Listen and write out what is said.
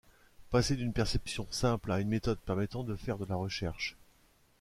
Passer d'une perception simple à une méthode permettant de faire de la recherche.